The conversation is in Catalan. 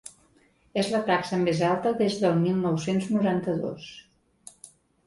És la taxa més alta des del mil nou-cents noranta-dos.